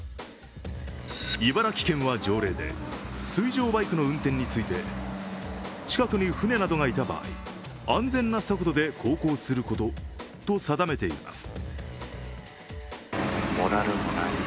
茨城県は条例で、水上バイクの運転について近くに船などがいた場合安全な速度で航行することと定めています。